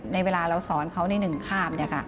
เวลาเราสอนเขาในหนึ่งข้าม